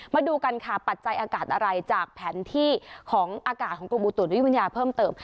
มาดูกันค่ะปัจจัยอากาศอะไรจากแผนที่ของอากาศของกรมอุตุนิยมวิทยาเพิ่มเติม